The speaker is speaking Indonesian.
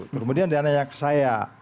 kemudian dia nanya ke saya